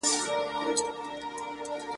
نه پیران یې وه په یاد نه خیراتونه .